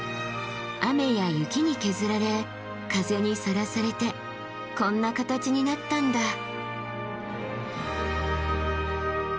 雨や雪に削られ風にさらされてこんな形になったんだ。